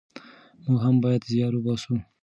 موږ هم بايد زيار وباسو.